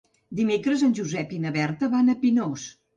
Dimecres en Josep i na Berta van a Pinós.